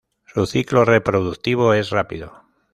Su ciclo reproductivo es rápido.